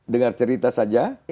dengan cerita saja